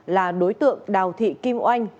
là đối tượng đào thị kim oanh